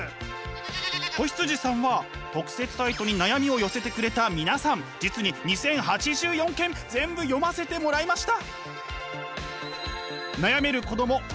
子羊さんは特設サイトに悩みを寄せてくれた皆さん実に２，０８４件全部読ませてもらいました。